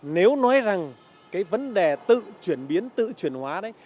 nếu nói rằng cái vấn đề tự chuyển biến tự chuyển hóa đấy